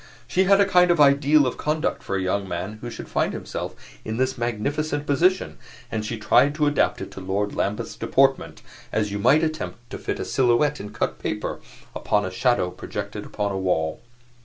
She had a kind of ideal of conduct for a young man who should find himself in this magnificent position, and she tried to adapt it to Lord Lambeth's deportment as you might attempt to fit a silhouette in cut paper upon a shadow projected upon a wall.